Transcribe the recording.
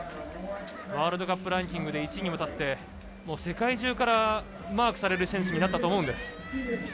ワールドカップランキング１位にも立ってもう世界中からマークされる選手になったと思うんです。